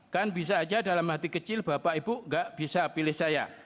kan bisa aja dalam hati kecil bapak ibu gak bisa pilih saya